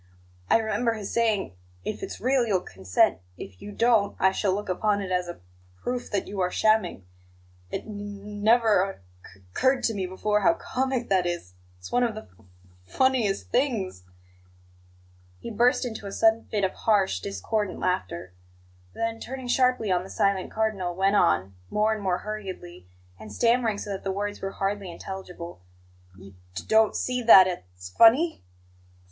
I remember his saying: 'If it's real, you'll consent; if you don't, I shall look upon it as a p proof that you are shamming.' It n n never oc c curred to me before how comic that is; it's one of the f f funniest things " He burst into a sudden fit of harsh, discordant laughter; then, turning sharply on the silent Cardinal, went on, more and more hurriedly, and stammering so that the words were hardly intelligible: "You d d don't see that it's f f funny?